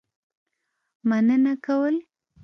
مننه کول.